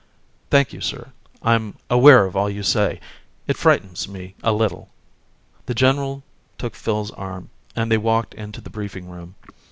"Thank you, sir. I'm aware of all you say. It frightens me a little." The general took Phil's arm and they walked to the briefing room.